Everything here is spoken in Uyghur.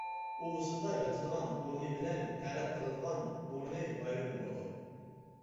ئۇۋىسىدا ياتىدىغان ئورنى بىلەن تەرەت قىلىدىغان ئورنى ئايرىم بولىدۇ.